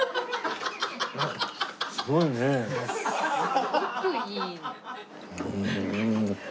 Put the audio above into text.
すごくいい。